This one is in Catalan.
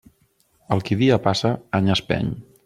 El qui dia passa, any espeny.